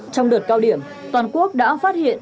trong đợt cao điểm toàn quốc đã phát hiện